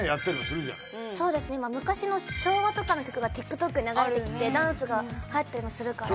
そうですね今昔の昭和とかの曲がＴｉｋＴｏｋに流れてきてダンスがはやったりもするから。